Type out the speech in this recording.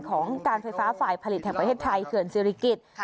ของการไฟฟ้าฝ่ายผลิตแห่งประเทศไทยเขื่อนศิริกิจ